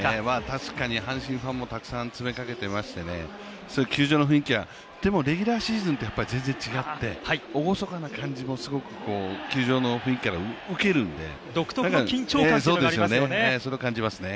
確かに阪神ファンもたくさん詰めかけていまして、球場の雰囲気はでもレギュラーシーズンとは全然違くて、厳かな感じもすごく球場の雰囲気から受けるので、そこを感じますね。